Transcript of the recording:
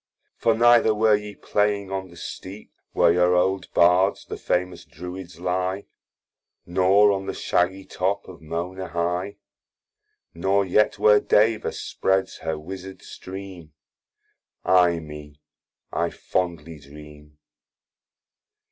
For neither were ye playing on the steep, Where your old Bards, the famous Druids ly, Nor on the shaggy top of Mona high, Nor yet where Deva spreads her wisard stream: Ay me, I fondly dream!